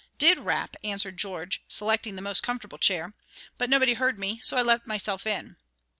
"Did rap," answered George, selecting the most comfortable chair, "but nobody heard me, so I let myself in."